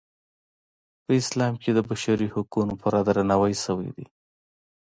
په اسلام کې د بشري حقونو پوره درناوی شوی دی.